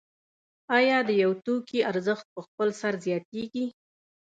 آیا د یو توکي ارزښت په خپل سر زیاتېږي